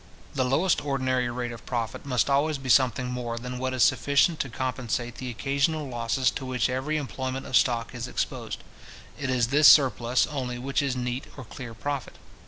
The lowest ordinary rate of profit must always be something more than what is sufficient to compensate the occasional losses to which every employment of stock is exposed. It is this surplus only which is neat or clear profit.